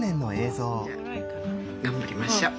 じゃあ頑張りましょう。